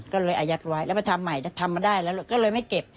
ก็เลยอายัดไว้แล้วไปทำใหม่ทำมาได้แล้วก็เลยไม่เก็บ